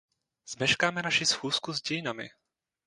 Zmeškáme naši schůzku s dějinami.